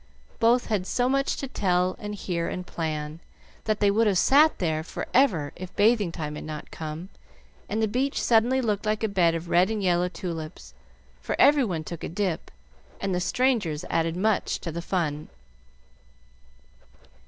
Both had so much to tell and hear and plan, that they would have sat there for ever if bathing time had not come, and the beach suddenly looked like a bed of red and yellow tulips, for every one took a dip, and the strangers added much to the fun.